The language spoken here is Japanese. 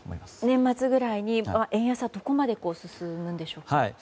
年末くらいに円安はどこまで進むんでしょうか。